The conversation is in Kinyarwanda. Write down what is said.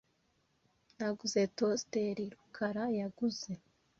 Naguze toasteri Rukara yaguze.